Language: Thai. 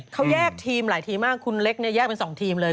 เขาแยกทีมหลายทีมมากคุณเล็กเนี่ยแยกเป็น๒ทีมเลย